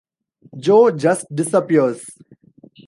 Joe just disappears.